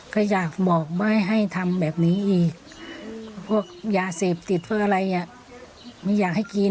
ก็อยากบอกไม่ให้ทำแบบนี้อีกพวกยาเสพติดพวกอะไรอ่ะไม่อยากให้กิน